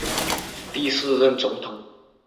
唐巴西利乌是巴西巴伊亚州的一个市镇。